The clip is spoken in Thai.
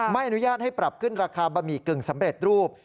ไม่อนุญาตให้ปรับขึ้นราคาบะหมี่กึ่งสำเร็จรูป